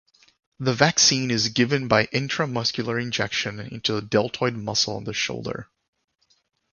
The vaccine is given by intramuscular injection into the deltoid muscle on the shoulder.